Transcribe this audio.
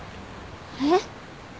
えっ！？